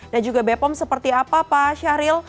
dan juga bepom seperti apa pak syahril